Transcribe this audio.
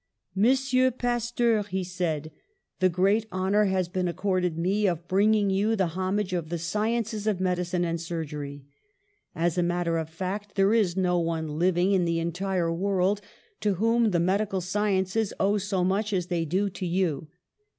THE SUPREME HOMAGE 195 "Monsieur Pasteur/' he said, '^the great hon our has been accorded me of bringing you the homage of the sciences of medicine and sur gery. "As a matter of fact, there is no one living in the entire world to whom the medical sciences owe so much as they do to you.